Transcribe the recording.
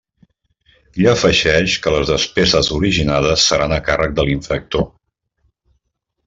I afegeix que les despeses originades seran a càrrec de l'infractor.